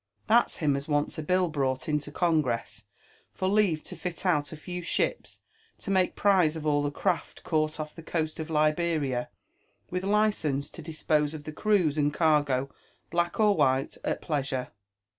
That's him as wpnts a hill brought into Congress, for leave to fit out a few ships to make prize of all the craft caught off the coast of Liberia, with licence to dispose of the crews aod cargo, black or white, at pleasure.